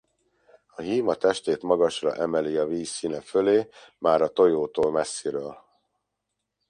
A hím a testét magasra emeli a víz színe fölé már a tojótól messziről.